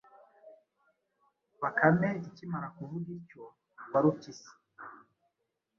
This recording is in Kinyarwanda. Bakame ikimara kuvuga ityo, Warupyisi